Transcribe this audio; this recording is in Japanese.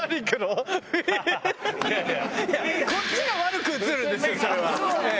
こっちが悪く映るんですよ、それは。